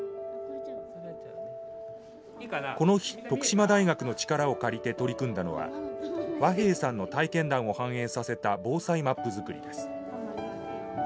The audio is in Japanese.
この日徳島大学の力を借りて取り組んだのは和平さんの体験談を反映させた防災マップ作りです。